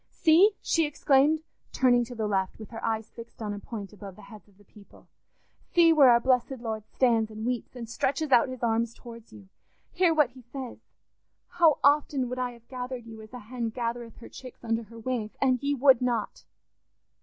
"See!" she exclaimed, turning to the left, with her eyes fixed on a point above the heads of the people. "See where our blessed Lord stands and weeps and stretches out his arms towards you. Hear what he says: 'How often would I have gathered you as a hen gathereth her chickens under her wings, and ye would not!